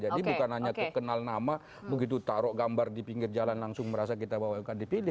jadi bukan hanya kenal nama begitu taruh gambar di pinggir jalan langsung merasa kita bawakan dipilih